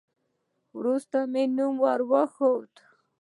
وروسته مې نوم ور وښود.